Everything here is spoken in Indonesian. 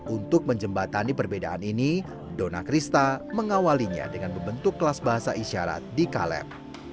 untuk menjembatani perbedaan ini dona krista mengawalinya dengan membentuk kelas bahasa isyarat di kaleb